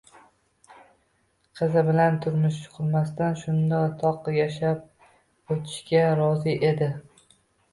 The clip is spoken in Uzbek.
Qizi bilan turmush qurmasdan shunday toq yashab o`tishga rozi edi